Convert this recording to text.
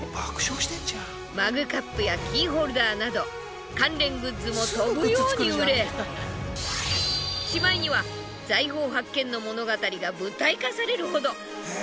マグカップやキーホルダーなど関連グッズも飛ぶように売れしまいには財宝発見の物語が舞台化されるほど。